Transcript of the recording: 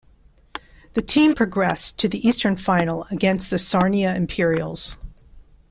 The team progressed to the Eastern final against the Sarnia Imperials.